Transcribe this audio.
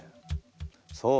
そう。